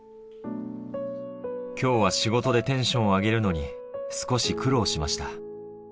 きょうは仕事でテンションを上げるのに少し苦労しました。